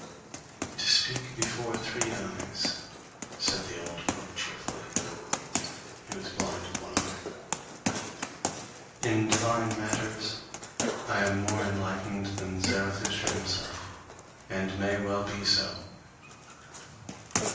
"To speak before three eyes," said the old pope cheerfully (he was blind of one eye), "in divine matters I am more enlightened than Zarathustra himself and may well be so.